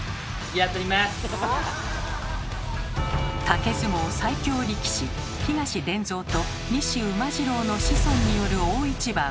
竹相撲最強力士東伝蔵と西馬次郎の子孫による大一番。